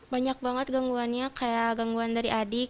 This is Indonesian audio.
banyak banget gangguannya kayak gangguan dari adik